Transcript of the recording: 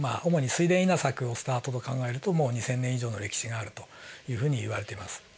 主に水田稲作をスタートと考えるともう２，０００年以上の歴史があるというふうにいわれています。